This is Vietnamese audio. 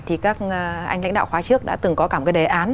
thì các anh lãnh đạo khóa trước đã từng có cả một cái đề án